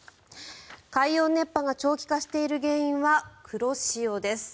海洋熱波が長期化している原因は黒潮です。